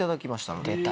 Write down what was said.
出た！